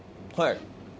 はい。